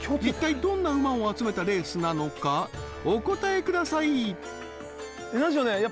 一体どんな馬を集めたレースなのかお答えください何でしょうね